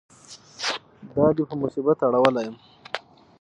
دا دې په مصیبت اړولی یم.